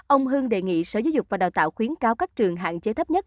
ông hưng đề nghị sở giáo dục và đào tạo khuyến cáo các trường hạn chế thấp nhất